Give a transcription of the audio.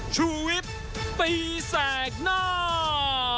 ชุวิตตีแสกหน้า